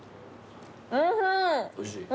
・おいしい？